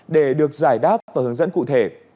để được giải đáp và hướng dẫn cụ thể